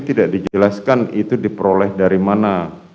tidak dijelaskan itu diperoleh dari mana